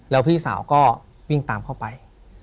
แล้วพี่สาวก็วิ่งตามเข้าไป